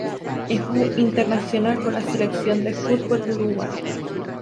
Es internacional con la Selección de fútbol de Uruguay.